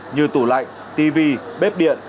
như tủ lạnh tivi bếp điện